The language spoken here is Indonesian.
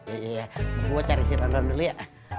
iya gue cari si rondon dulu ya